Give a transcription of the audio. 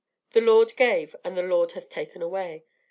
The Lord gave, and the Lord hath taken away.